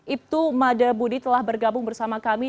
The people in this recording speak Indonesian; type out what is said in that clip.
ibtu mada budi telah bergabung bersama kami